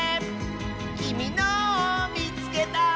「きみのをみつけた！」